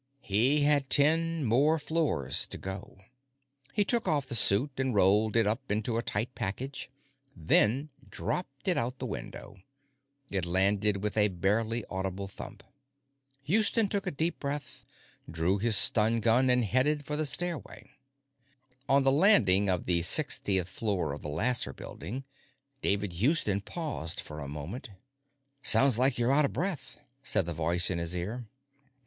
He had ten more floors to go. He took off the suit and rolled it up into a tight package, then dropped it out the window. It landed with a barely audible thump. Houston took a deep breath, drew his stun gun, and headed for the stairway. On the landing of the sixtieth floor of the Lasser Building, David Houston paused for a moment. "Sounds like you're out of breath," said the voice in his ear.